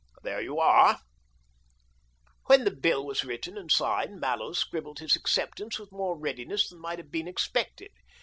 There you are !" When the bill was written and signed. Mallows scribbled his acceptance with more readiness than might have been expected.